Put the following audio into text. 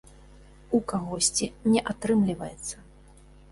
У кагосьці не атрымліваецца.